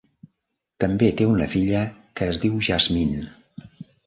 També té una filla que es diu Jazmine.